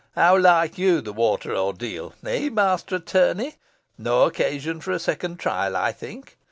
"How like you the water ordeal eh, Master Attorney? No occasion for a second trial, I think.